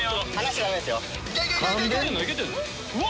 うわ！